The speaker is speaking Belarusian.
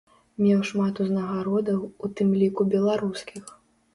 Меў шмат узнагародаў, у тым ліку беларускіх.